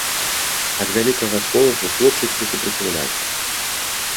Ад вялікага сполаху хлопчык не супраціўляўся.